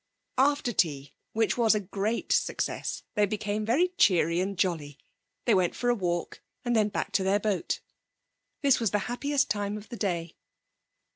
After tea, which was a great success, they became very cheery and jolly. They went for a walk and then back to their boat. This was the happiest time of the day.